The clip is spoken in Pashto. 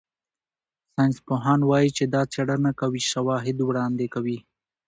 ساینسپوهان وايي چې دا څېړنه قوي شواهد وړاندې کوي.